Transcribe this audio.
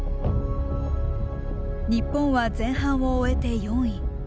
日本は前半を終えて４位。